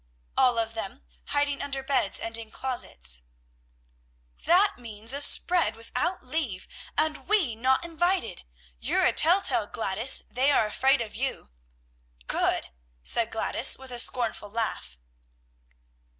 "All of them, hiding under beds and in closets." "That means a spread without leave, and we not invited. You're a tell tale Gladys; they are afraid of you." "Good!" said Gladys with a scornful laugh.